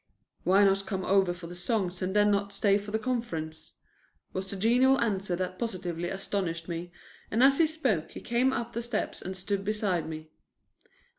"Why not come over for the songs and then not stay for the conference?" was the genial answer that positively astonished me, and as he spoke he came up the steps and stood beside me.